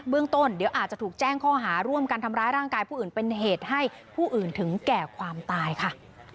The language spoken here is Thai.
เรื่องต้นเดี๋ยวอาจจะถูกแจ้งข้อหาร่วมกันทำร้ายร่างกายผู้อื่นเป็นเหตุให้ผู้อื่นถึงแก่ความตายค่ะ